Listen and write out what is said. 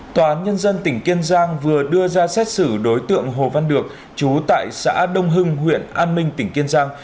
tòa án nhân dân tỉnh kiên giang vừa đưa ra xét xử đối tượng hồ văn được chú tại xã đông hưng huyện an minh tỉnh kiên giang